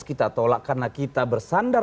kita tolak karena kita bersandar